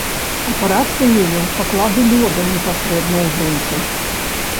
Апарат выявіў паклады лёду непасрэдна ў грунце.